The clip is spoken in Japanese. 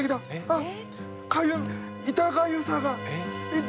あっかゆい痛がゆさが！